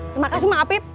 terima kasih mang afip